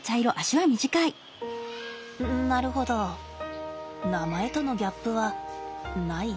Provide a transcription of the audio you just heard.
なるほど名前とのギャップはない？